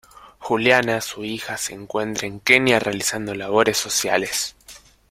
Juliana su hija se encuentra en Kenia realizando labores sociales.